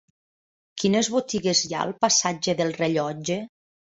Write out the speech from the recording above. Quines botigues hi ha al passatge del Rellotge?